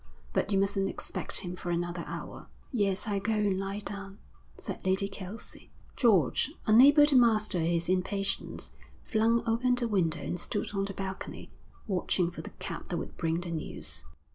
But you mustn't expect him for another hour.' 'Yes, I'll go and lie down,' said Lady Kelsey. George, unable to master his impatience, flung open the window and stood on the balcony, watching for the cab that would bring the news.